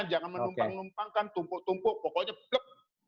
jangan menumpang numpangkan tumpuk tumpuk pokoknya plek